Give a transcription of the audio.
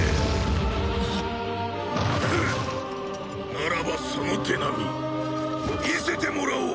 ならばその手並み見せてもらおう！